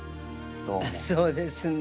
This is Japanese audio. そうですね。